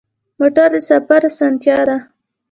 موټر د سفر اسانتیا ده.